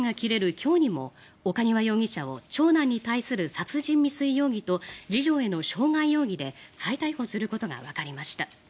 今日にも岡庭容疑者を長男に対する殺人未遂容疑と次女への傷害容疑で再逮捕することがわかりました。